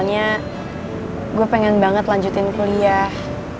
soalnya gue pengen banget lanjutin kuliah